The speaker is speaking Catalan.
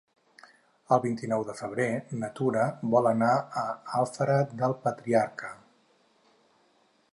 El vint-i-nou de febrer na Tura vol anar a Alfara del Patriarca.